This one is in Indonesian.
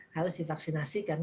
harus divaksinasi karena